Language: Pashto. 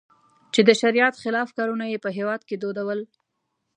چې د شریعت خلاف کارونه یې په هېواد کې دودول.